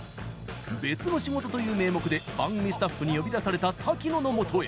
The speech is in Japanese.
別の仕事という名目で番組スタッフに呼び出された瀧野のもとへ。